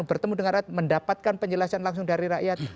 bertemu dengan rakyat mendapatkan penjelasan langsung dari rakyat